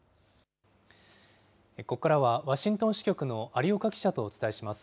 ここからはワシントン支局の有岡記者とお伝えします。